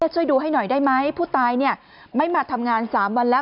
ช่วยดูให้หน่อยได้ไหมผู้ตายไม่มาทำงาน๓วันแล้ว